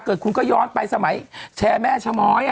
เกิดคุณก็ย้อนไปไสมก